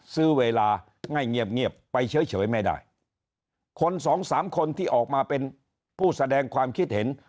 ซื้อเวลาง่ายเงียบเงียบไปเฉยเฉยไม่ได้คนสองสามคนที่ออกมาเป็นผู้แสดงความคิดเห็น